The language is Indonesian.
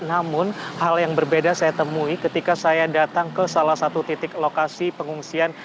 namun hal yang berbeda saya temui ketika saya datang ke salah satu titik lokasi pengungsian